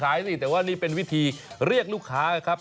แต่ว่านี่เป็นวิธีเรียกลูกค้าครับ